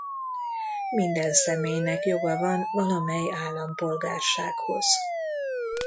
Minden személynek joga van valamely állampolgársághoz.